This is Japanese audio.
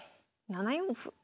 ７四歩。